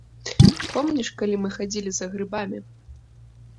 Помніш, калі мы хадзілі за грыбамі.